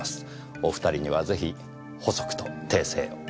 お２人にはぜひ補足と訂正を。